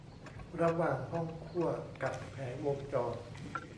ระหว่างห้องคั่วกับแผงวงจร